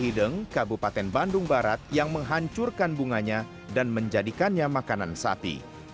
dideng kabupaten bandung barat yang menghancurkan bunganya dan menjadikannya makanan sapi